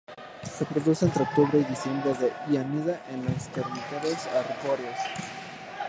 Se reproduce entre octubre y diciembre y anida en los termiteros arbóreos.